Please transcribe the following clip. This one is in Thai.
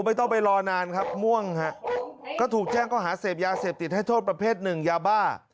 ไม่ต้องไปรอนานครับม่วงฮะก็ถูกแจ้งเขาหาเสพยาเสพติดให้โทษประเภทหนึ่งยาบ้า